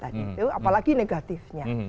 tadi itu apalagi negatifnya